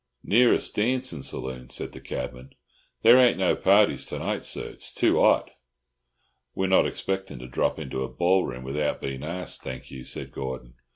"Nearest darncin' saloon," said the cabman. "There ain't no parties to night, sir; it's too 'ot." "We're not expecting to drop into a ballroom without being asked, thank you," said Gordon.